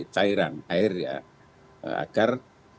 cairan air ya agar